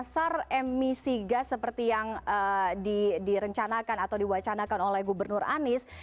pasar emisi gas seperti yang direncanakan atau diwacanakan oleh gubernur anies